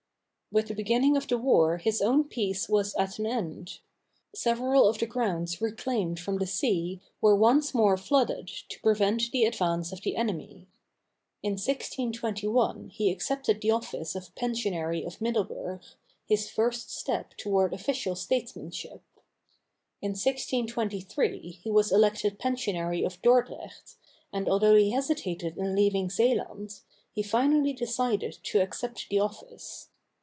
With the beginning of the war his own peace was at an end. Several of the grounds reclaimed from the sea were once more flooded to prevent the advance of the enemy. In 1621 he accepted the office of pensionary of Middelburg, his first step toward official statesmanship. In 1623 he was elected pensionary of Dordrecht, and although he hesitated in leaving Zeeland, he finally decided to accept the office.